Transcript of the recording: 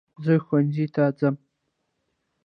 زہ ښوونځي ته ځم